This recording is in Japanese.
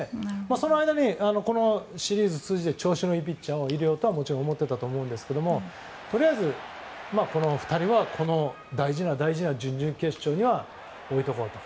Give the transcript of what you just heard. その間にこのシリーズを通じて調子のいいピッチャーを入れようとはもちろん思ってたと思うんですけどとりあえずこの２人は大事な大事な準々決勝には置いておこうと。